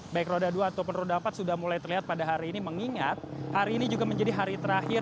baik roda dua ataupun roda empat sudah mulai terlihat pada hari ini mengingat hari ini juga menjadi hari terakhir